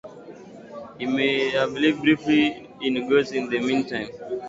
He may have lived briefly in Goes in the meantime.